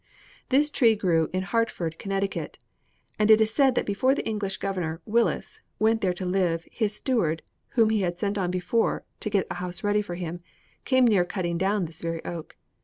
"This tree grew in Hartford, Connecticut, and it is said that before the English governor Wyllis went there to live his steward, whom he had sent on before to get a house ready for him, came near cutting down this very oak.